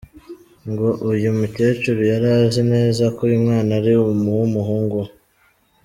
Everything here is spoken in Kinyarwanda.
Ngo uyu mukecuru yari azi neza ko uyu mwana ari uw’umuhungu we.